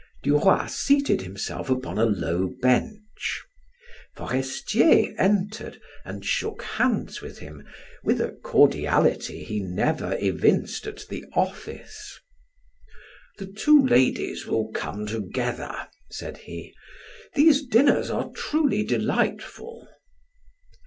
Duroy seated himself upon a low bench. Forestier entered and shook hands with him with a cordiality he never evinced at the office. "The two ladies will come together," said he. "These dinners are truly delightful."